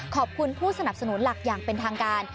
ขอบคุณผู้สนับสนุนหลักอย่างเป็นทางการ